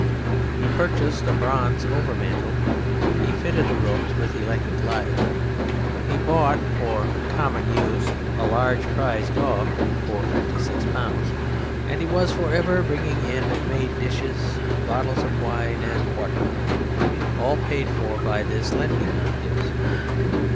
He purchased a bronze over mantel, he fitted the rooms with electric light, he bought (for the common use) a large prize dog for £56, and he was for ever bringing in made dishes, bottles of wine and what not, all paid for by this lending of his.